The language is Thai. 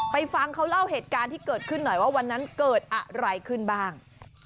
ฟังเขาเล่าเหตุการณ์ที่เกิดขึ้นหน่อยว่าวันนั้นเกิดอะไรขึ้นบ้าง